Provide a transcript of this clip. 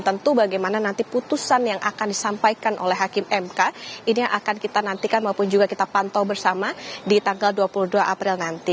tentu bagaimana nanti putusan yang akan disampaikan oleh hakim mk ini akan kita nantikan maupun juga kita pantau bersama di tanggal dua puluh dua april nanti